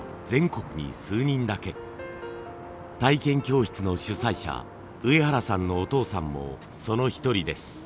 体験教室の主催者上原さんのお父さんもその一人です。